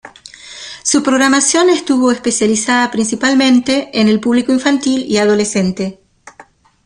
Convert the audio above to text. Su programación estuvo especializada principalmente en el público infantil y adolescente.